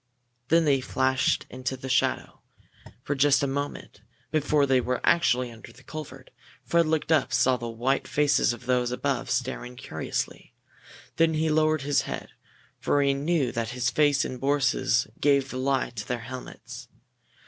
Then they flashed into the shadow. For just a moment, before they were actually under the culvert, Fred, looking up, saw the white faces of those above, staring curiously. Then he lowered his head, for he knew that his face and Boris's gave the lie to their helmets.